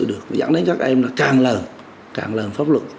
không xử lý hành sự được dẫn đến các em là càng lờ càng lờ pháp luật